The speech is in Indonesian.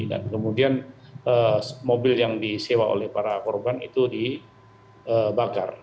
dan kemudian mobil yang disewa oleh para korban itu dibakar